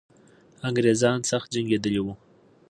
انګریزان سخت جنګېدلي وو.